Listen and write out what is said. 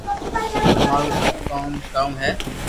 تمارو ڪوم ڪاؤ ھي